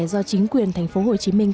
do chính quyền thành phố hồ chí minh